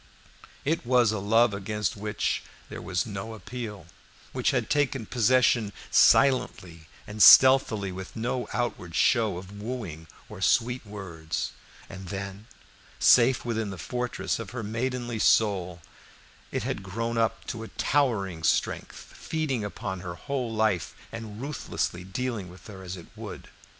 It was a love against which there was no appeal, which had taken possession silently and stealthily, with no outward show of wooing or sweet words; and then, safe within the fortress of her maidenly soul, it had grown up to a towering strength, feeding upon her whole life, and ruthlessly dealing with her as it would.